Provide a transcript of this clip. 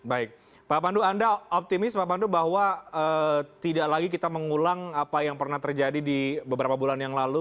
baik pak pandu anda optimis pak pandu bahwa tidak lagi kita mengulang apa yang pernah terjadi di beberapa bulan yang lalu